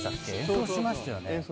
演奏しましたよね。